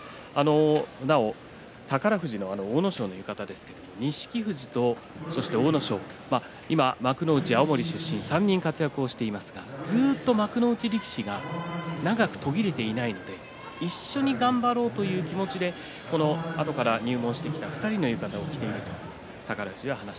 宝富士の阿武咲の浴衣ですけど錦富士、そして阿武咲幕内の青森出身の３人が活躍をしていますがずっと幕内力士が長く途切れていないと一緒に頑張ろうという気持ちであとから入門してきた２人の浴衣を着ているんだということです。